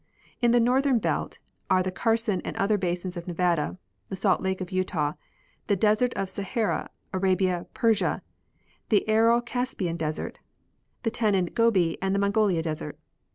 In the northern belt are the Carson and other basins of Nevada, the Salt Lake of Utah, the desert of Sahara, Arabia, Persia, the Aral Caspian desert, the Tanin Gobi and Mongolia desert.